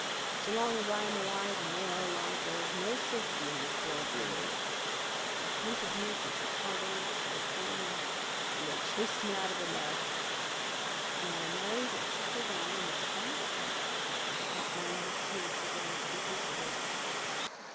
So long as I am alive and they are alive, there is no safety in this world for me. They hunted me from Chicago to California, then they chased me out of America; but when I married and settled down in this quiet spot I thought my last years were going to be peaceable.